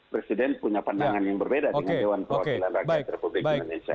presiden punya pandangan yang berbeda dengan dewan perwakilan rakyat republik indonesia